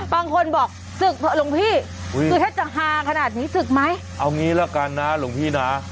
บางคนบอกสึกหลงพี่คือเทศจังหาขนาดนี้สึกไหมเอางี้ล่ะกันนะหลงพี่น่ะ